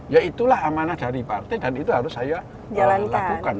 ya itulah amanah dari partai dan itu harus saya lakukan